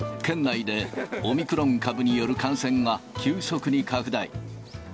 県内でオミクロン株による感染が急速に拡大。